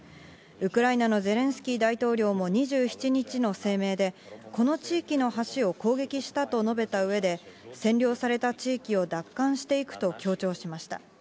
ウクライナのゼレンスキー大統領も２７日の声明で、この地域の橋を攻撃したと述べた上で、占領された地域を奪還していくと強調しました。